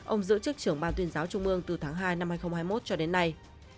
ông giữ chức trưởng ban tuyên giáo trung ương từ tháng hai năm hai nghìn hai mươi một cho đến nay